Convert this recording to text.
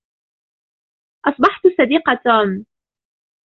أصبحت صديق توم.